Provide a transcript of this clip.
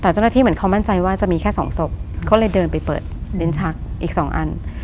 แต่เจ้าหน้าที่เหมือนเขามั่นใจว่าจะมีแค่สองศพเขาเลยเดินไปเปิดลิ้นชักอีกสองอัน